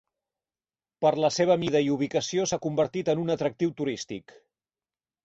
Per la seva mida i ubicació, s'ha convertit en un atractiu turístic.